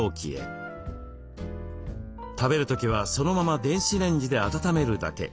食べる時はそのまま電子レンジで温めるだけ。